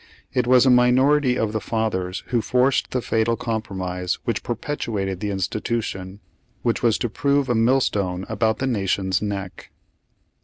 It was a minority of the fathers who forced the fatal com promise which perpetuated the institution, which was to prove a millstone about the Nation's neck.